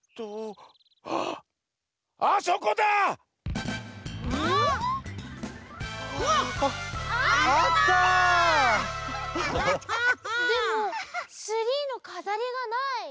でもツリーのかざりがない！